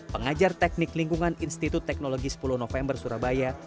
pengajar teknik lingkungan institut teknologi sepuluh november surabaya